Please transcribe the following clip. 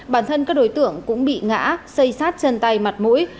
bản thân các đối tượng cũng bị ngã xây sát chân tay mặt mũi